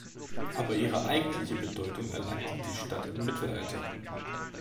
Aber ihre eigentliche Bedeutung erlangte die Stadt im Mittelalter.